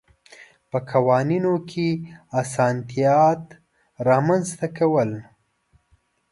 په قوانینو کې اسانتیات رامنځته کول.